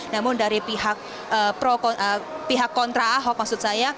namun dari pihak kontra ahok maksud saya